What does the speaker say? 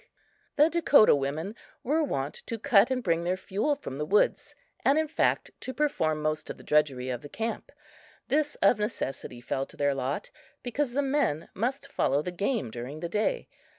The Dakota women were wont to cut and bring their fuel from the woods and, in fact, to perform most of the drudgery of the camp. This of necessity fell to their lot, because the men must follow the game during the day.